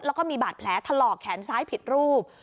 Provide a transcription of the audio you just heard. แล้วก็มีบาดแผลถลอกแขนซ้ายผิดรูป